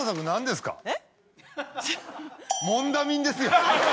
えっ？